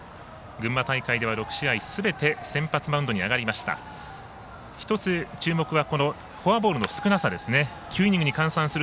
群馬大会では６試合、すべて先発マウンドに上がりました。